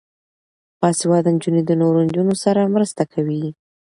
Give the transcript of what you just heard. باسواده نجونې د نورو نجونو سره مرسته کوي.